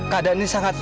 keadaan ini sangat